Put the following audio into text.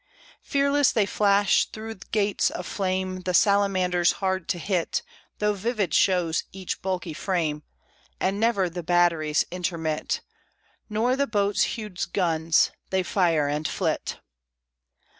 Fearless they flash through gates of flame, The salamanders hard to hit, Though vivid shows each bulky frame; And never the batteries intermit, Nor the boat's huge guns; they fire and flit.